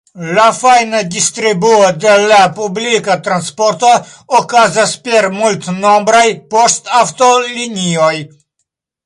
La fajna distribuo de la publika transporto okazas per multnombraj poŝtaŭtolinioj.